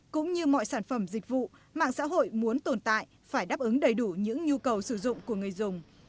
cũng như mọi sản phẩm dịch vụ mạng xã hội muốn tồn tại phải đáp ứng đầy đủ những nhu cầu sử dụng của người dùng